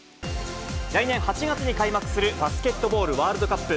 来年８月に開幕するバスケットボールワールドカップ。